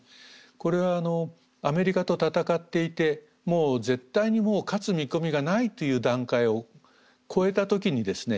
これはアメリカと戦っていて絶対にもう勝つ見込みがないという段階を越えた時にですね